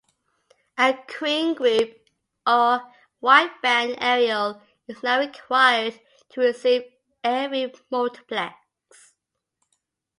A K group or wideband aerial is now required to receive every multiplex.